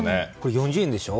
４０円でしょ？